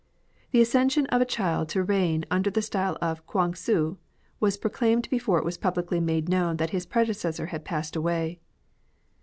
The accession of a child to reign under the style of Kuang Hsii was proclaimed before it was publicly made known that his predecessor had passed away.